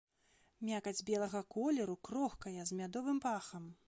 Мякаць белага колеру, крохкая, з мядовым пахам.